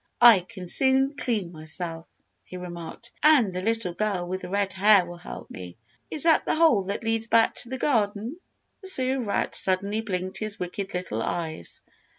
"I can soon clean myself," he remarked, "and the little girl with the red hair will help me. Is that the hole that leads back to the garden?" The Sewer Rat suddenly blinked his wicked little eyes.